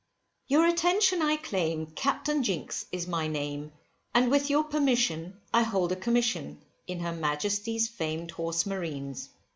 Your attention I claim, Captain Jinks is my name, and with your permission, I hold a commission, in Her Majesty's famed horse marines.